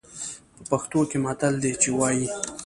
په پښتو کې يو متل دی چې وايي.